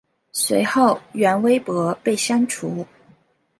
随后原微博被删除。